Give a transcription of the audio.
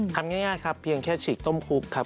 ทำง่ายครับเพียงแค่ฉีกต้มคุกครับ